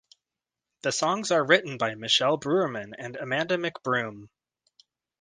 The songs are written by Michele Brourman and Amanda McBroom.